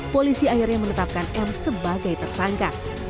polisi akhirnya menetapkan m sebagai tersangka